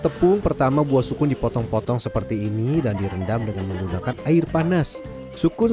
tepung pertama buah sukun dipotong potong seperti ini dan direndam dengan menggunakan air panas sukun